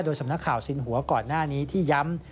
สำนักข่าวสินหัวก่อนหน้านี้ที่ย้ำ